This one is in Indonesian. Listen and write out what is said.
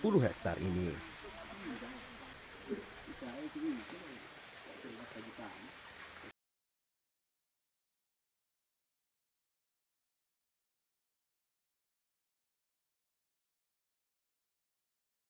pemuda dan pemuda lainnya juga berada di daerah sidoarjo